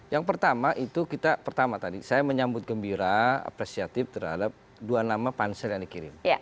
yang pertama itu kita pertama tadi saya menyambut gembira apresiatif terhadap dua nama pansel yang dikirim